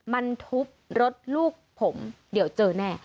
มันทุบรถลูกผมเดี๋ยวเจอแน่